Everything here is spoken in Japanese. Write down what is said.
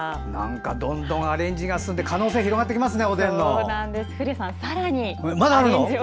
どんどんアレンジが進んで可能性が広がってきますね。